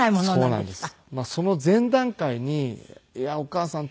そうなんです。